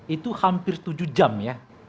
itu hampir tujuh jam ya